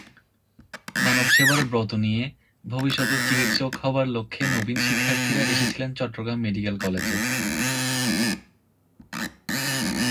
মানবসেবার ব্রত নিয়ে ভবিষ্যতের চিকিৎসক হবার লক্ষ্যে নবীন শিক্ষার্থীরা এসেছিলেন চট্টগ্রাম মেডিকেল কলেজে।